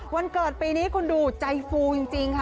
วันเกิดปีนี้คุณดูใจฟูจริงค่ะ